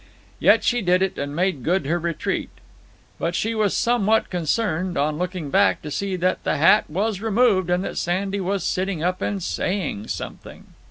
Yet she did it, and made good her retreat. But she was somewhat concerned, on looking back, to see that the hat was removed, and that Sandy was sitting up and saying something.